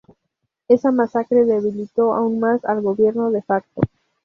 Esa masacre debilitó aún más al gobierno "de facto".